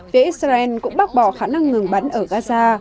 phía israel cũng bác bỏ khả năng ngừng bắn ở gaza